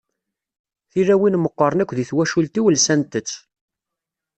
Tilawin meqqren akk deg twacult-iw lsant-tt.